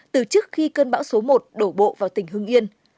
từ trước khi cơn bão số một đổ bộ vào tỉnh hưng yên